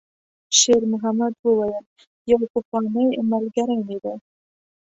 شېرمحمد وویل: «یو پخوانی ملګری مې دی.»